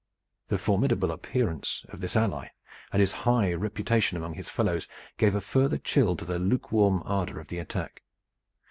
The formidable appearance of this ally and his high reputation among his fellows gave a further chill to the lukewarm ardor of the attack.